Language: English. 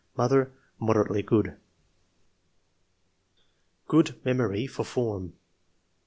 Mother — Moderately good." Good memory for form. I .